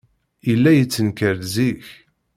Yella yettenkar-d zik.